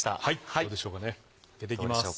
どうでしょうか？